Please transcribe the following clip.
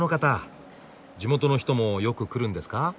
地元の人もよく来るんですか？